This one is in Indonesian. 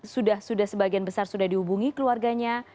sudah sebagian besar sudah dihubungi keluarganya